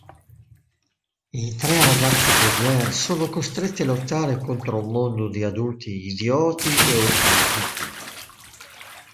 I tre ragazzi Baudelaire sono costretti a lottare contro un mondo di adulti idioti e ottusi.